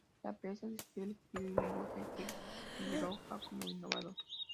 Lapesa describe el estilo y lenguaje de Quiroga como innovador.